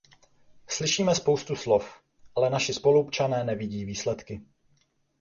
Slyšíme spoustu slov, ale naši spoluobčané nevidí výsledky.